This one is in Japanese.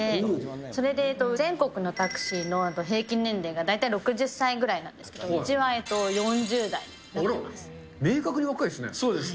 それで全国のタクシーの平均年齢が大体６０歳ぐらいなんですけど、明確に若いですね。